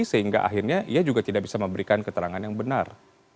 sehingga akhirnya ia juga tidak bisa memberikan keterangan yang benar